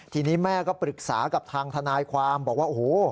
ทีนี้แม่ก็ปรึกษากับทางทนายความบอกว่าโอ้โห